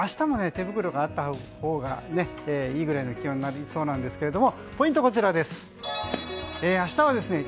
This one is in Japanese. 明日も手袋があったほうがいいぐらいの気温になりそうなんですがポイントはこちらです。